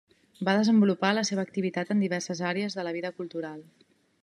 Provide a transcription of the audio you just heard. Va desenvolupar la seva activitat en diverses àrees de la vida cultural.